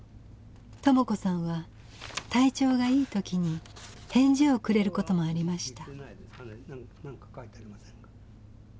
朋子さんは体調がいい時に返事をくれることもありました。